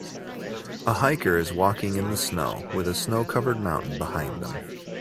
A hiker is walking in the snow with a snow covered mountain behind them